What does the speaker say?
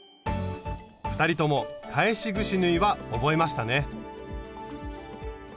２人とも返しぐし縫いは覚えましたね！